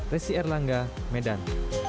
resi erlangga medan